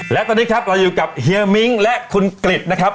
และตอนนี้ครับเราอยู่กับเฮียมิ้งและคุณกริจนะครับ